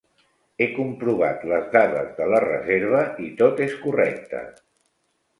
He comprovat les dades de la reserva i tot és correcte.